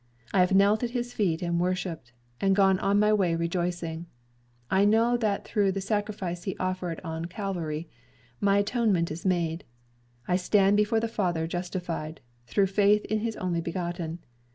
I have knelt at his feet and worshiped, and gone on my way rejoicing. I know that through the sacrifice he offered on Calvary my atonement is made, and I stand before the Father justified, through faith in his only begotten.